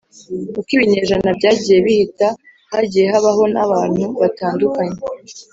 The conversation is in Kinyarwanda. uko ibinyejana byagiye bihita, hagiye habaho n’abantu batandukany